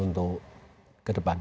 untuk ke depan